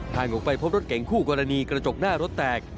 ทางออกไปพบรถเก่งคู่กรณีกระจกหน้ารถแตก